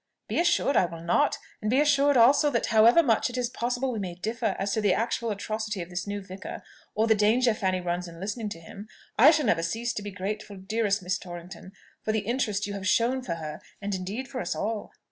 "Be assured I will not; and be assured also, that however much it is possible we may differ as to the actual atrocity of this new vicar, or the danger Fanny runs in listening to him, I shall never cease to be grateful, dearest Miss Torrington, for the interest you have shown for her, and indeed for us all."